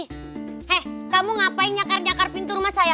hei kamu ngapain nyakar nyakar pintu rumah saya